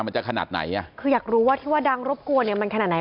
มันจะขนาดไหนอ่ะคืออยากรู้ว่าที่ว่าดังรบกวนเนี่ยมันขนาดไหน